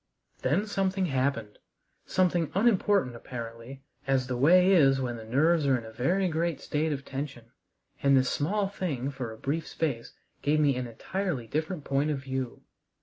Then something happened, something unimportant apparently, as the way is when the nerves are in a very great state of tension, and this small thing for a brief space gave me an entirely different point of view.